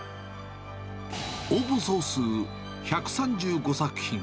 応募総数１３５作品。